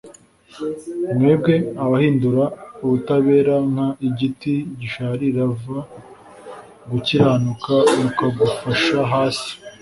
mwebwe abahindura ubutabera nk igiti gisharira v gukiranuka mukagufasha hasi